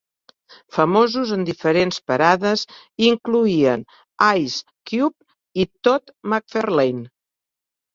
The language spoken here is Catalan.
Famosos en diferents parades incloïen Ice Cube i Todd McFarlane.